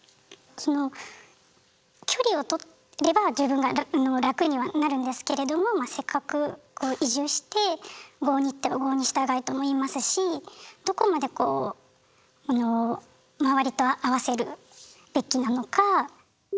その距離をとれば自分が楽にはなるんですけれどもまあせっかくこう移住して「郷に入っては郷に従え」とも言いますしどこまでこう周りと合わせるべきなのか。